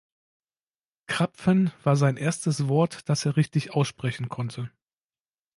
"Krapfen" war sein erstes Wort, das er richtig aussprechen konnte.